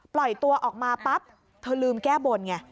ปล่อยตัวออกมาปั๊บเธอลืมแก้บนไง